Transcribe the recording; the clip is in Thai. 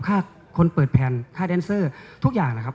ค่าคนเปิดแผ่นค่าแดนเซอร์ทุกอย่างนะครับ